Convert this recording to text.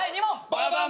ババン！